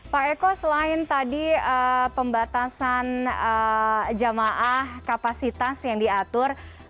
pak eko selain tadi pembatasan jamaah kapasitas yang diatur